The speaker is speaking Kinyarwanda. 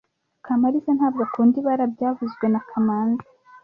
Kamaliza ntabwo akunda ibara byavuzwe na kamanzi